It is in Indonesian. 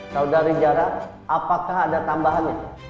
saudari jarang apakah ada tambahannya